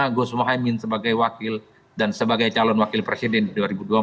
karena gus mohaimi sebagai wakil dan sebagai calon wakil presiden di dua ribu dua puluh empat